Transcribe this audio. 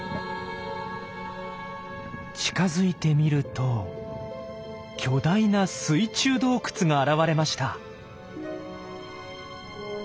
近づいてみると巨大な水中洞窟が現れました。